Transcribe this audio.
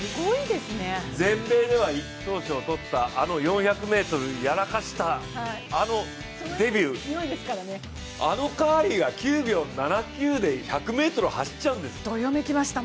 全米では１等賞をとった、あの４００ｍをやらかした、あのデビュー、あのカーリーが９秒７９で１００ｍを走っちゃうんです。